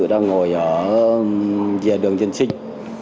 đang ngồi ở dìa đường trần sinh